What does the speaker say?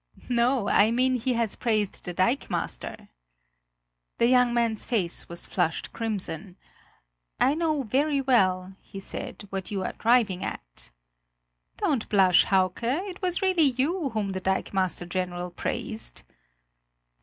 "No, I mean, he has praised the dikemaster!" The young man's face was flushed crimson: "I know very well," he said, "what you are driving at." "Don't blush, Hauke; it was really you whom the dikemaster general praised!"